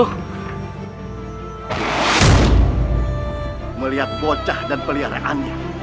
melihat bocah dan peliharaannya